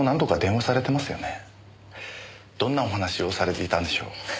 どんなお話をされていたんでしょう？